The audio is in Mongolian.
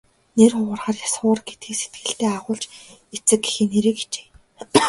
Нэр хугарахаар яс хугар гэдгийг сэтгэлдээ агуулж эцэг эхийн нэрийг хичээе.